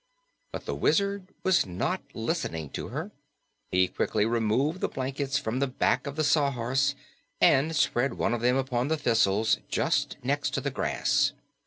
But the Wizard was not listening to her. He quickly removed the blankets from the back of the Sawhorse and spread one of them upon the thistles, just next the grass.